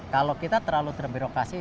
kalau kita terlalu terbirokasi